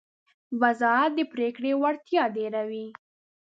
وضاحت د پرېکړې وړتیا ډېروي.